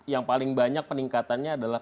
yang paling banyak peningkatannya adalah